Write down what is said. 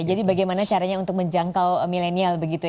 jadi bagaimana caranya untuk menjangkau milenial begitu ya